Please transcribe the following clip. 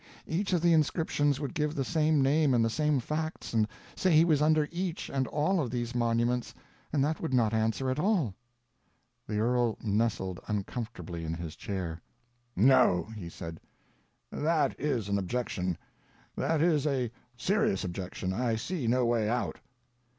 Each of the inscriptions would give the same name and the same facts and say he was under each and all of these monuments, and that would not answer at all." The earl nestled uncomfortably in his chair. "No," he said, "that is an objection. That is a serious objection. I see no way out."